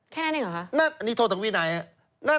แค่นั้นเองหรือคะนี่โทษทั้งวินายครับ